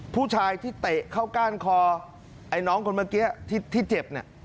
ผู้ชายที่เตะเข้าก้านคอไอ้น้องคนเมื่อกี้ที่เจ็บเนี่ย